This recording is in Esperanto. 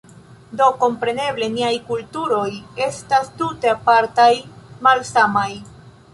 Do, kompreneble niaj kulturoj estas tute apartaj, malsamaj.